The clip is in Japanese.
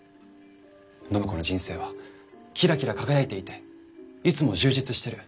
暢子の人生はキラキラ輝いていていつも充実してる。